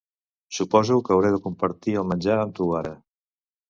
Suposo que hauré de compartir el menjar amb tu ara.